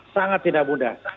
sangat tidak mudah